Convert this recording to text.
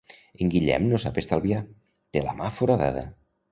En Guillem no sap estalviar, té la mà foradada.